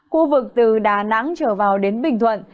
khu vực từ đà nẵng trở vào đến bình thuận